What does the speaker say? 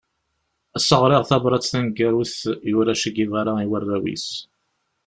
Ass-a ɣriɣ tabrat taneggarut yura Che Guevara i warraw-is.